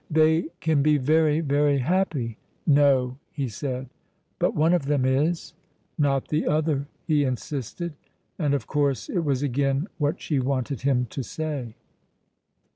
"They can be very, very happy." "No," he said. "But one of them is." "Not the other," he insisted; and of course it was again what she wanted him to say.